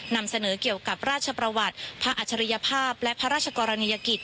นำเสนอเกี่ยวกับราชประวัติพระอัจฉริยภาพและพระราชกรณียกิจ